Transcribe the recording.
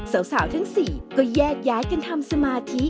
สาวทั้ง๔ก็แยกย้ายกันทำสมาธิ